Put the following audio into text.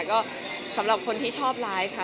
ก็สำหรับคนที่ชอบไลฟ์ค่ะ